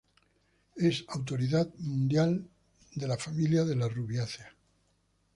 Es autoridad mundial de la familia de las rubiáceas.